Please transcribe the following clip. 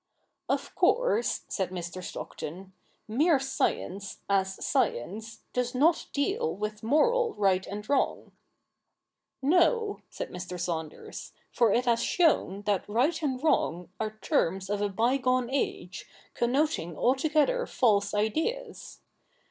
' Of course,' said Mr. Stockton, ' mere science, as science, does not deal ^^dth moral right and wrong.' 'No,' said Mr. Saunders, 'for it has shown that right and wrong are terms of a bygone age, connoting altogether false ideas.